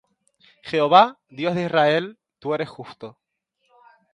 Jehová, Dios de Israel, tú eres justo: